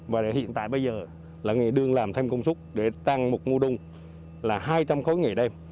và hiện tại bây giờ là người đương làm thêm công suất để tăng một ngu đung là hai trăm linh khối ngày đêm